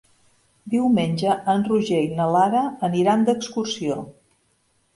Diumenge en Roger i na Lara aniran d'excursió.